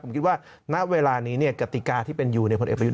ผมคิดว่าณเวลานี้กติกาที่เป็นอยู่ในพลเอกประยุทธ์